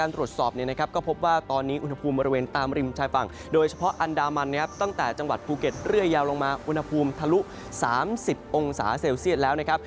แต่จังหวัดภูเก็ตเรื่อยยาวลงมาอุณหภูมิทะลุ๓๐องศาเซลเซียสแล้วนะครับ